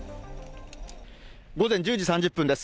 午前１０時３０分です。